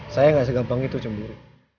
saya nggak segampang itu cemburu